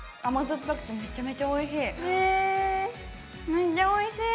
めっちゃおいしい！